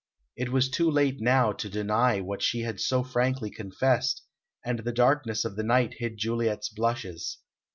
It was too late now to deny what she had so frankly confessed, and the darkness of the night hid Juliet's blushes.